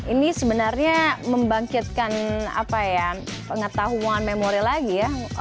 ini sebenarnya membangkitkan pengetahuan memori lagi ya